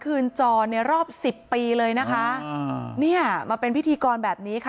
คืนจอในรอบสิบปีเลยนะคะอ่าเนี่ยมาเป็นพิธีกรแบบนี้ค่ะ